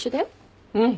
うん。